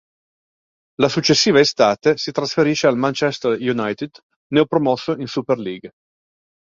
La successiva estate si trasferisce al Manchester United neopromosso in Super League.